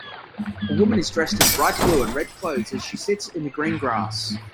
A woman is dressed in bright blue and red clothes as she sits in the green grass.